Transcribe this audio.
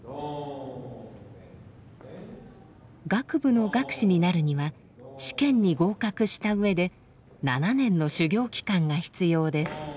楽部の楽師になるには試験に合格した上で７年の修行期間が必要です。